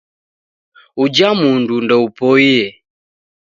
Uja mundu ndeupoie